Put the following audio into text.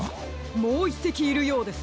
もう１せきいるようです。